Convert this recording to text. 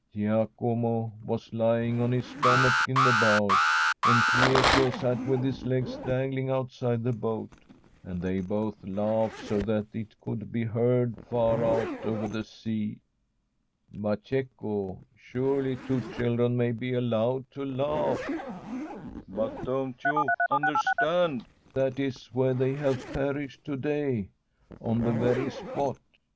Giacomo was lying on his stomach in the bows, and Pietro sat with his legs dangling The Fbberman's RING outside the boat, and they both laughed so that it could be heard far out over the sea/ * But, Cecco, surely two children may be al lowed to laugh/ * But don't you understand that is where they have perished to day— on the very spot